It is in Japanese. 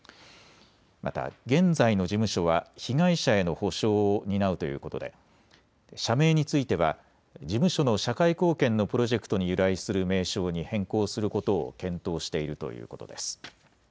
また現在の事務所は被害者への補償を担うということで社名については事務所の社会貢献のプロジェクトに由来する名称に変更することを検討しているということです。